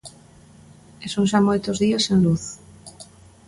E son xa moitos días sen luz.